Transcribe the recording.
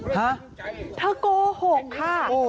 ฮะเธอโกหกค่ะ